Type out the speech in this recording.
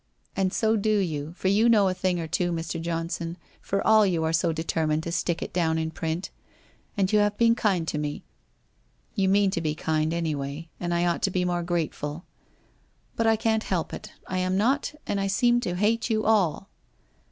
And so do you. For you know a thing or two, Mr. Johnson, for all you are so de termined to stick it down in print. ... And you have been kind to me — you mean to be kind, anyway, and I ought to be more grateful. But I can't help it, I am not, and I seem to hate you all.'